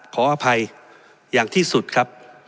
ขออภัยอย่างที่สุดครับ